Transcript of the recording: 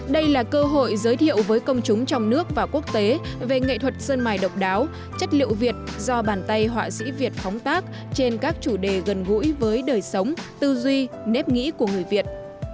đây là cơ hội giới thiệu với công chúng trong nước và quốc tế về nghệ thuật sơn mài độc đáo chất liệu việt do bàn tay họa sĩ việt phóng tác trên các chủ đề gần gũi với đời sống tư duy nếp nghĩ của người việt